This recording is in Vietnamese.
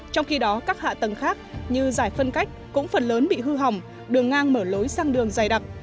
trong khi đó các hạ tầng khác như giải phân cách cũng phần lớn bị hư hỏng đường ngang mở lối sang đường dày đặc